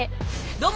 「どうも！